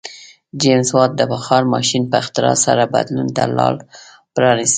جېمز واټ د بخار ماشین په اختراع سره بدلون ته لار پرانیسته.